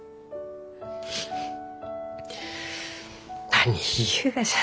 何言いゆうがじゃ。